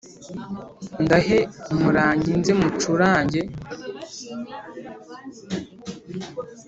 ndahe umurangi nze mucurange